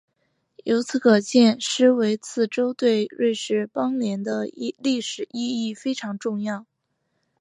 由此可见施维茨州对瑞士邦联的历史意义非常重要。